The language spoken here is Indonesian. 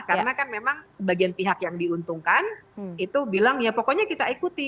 karena kan memang sebagian pihak yang diuntungkan itu bilang ya pokoknya kita ikuti